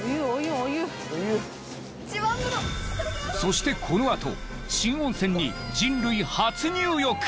そしてこのあと新温泉に人類初入浴！